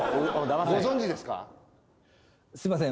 すみません